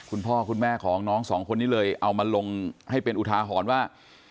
คุณพ่อคุณแม่ของน้องสองคนนี้เลยเอามาลงให้เป็นอุทาหรณ์ว่า